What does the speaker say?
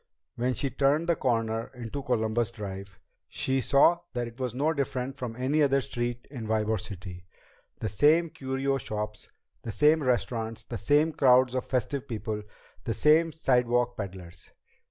When she turned the corner into Columbus Drive, she saw that it was no different from any other street in Ybor City. The same curio shops, the same restaurants, the same crowds of festive people, the same sidewalk peddlers.